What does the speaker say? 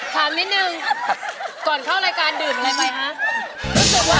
ถามนิดนึงก่อนเข้ารายการดื่มอะไรไปคะ